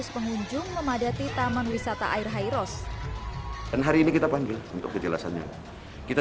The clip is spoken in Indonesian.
dua puluh dua lima ratus pengunjung memadati taman wisata air hairos dan hari ini kita panggil untuk kejelasannya kita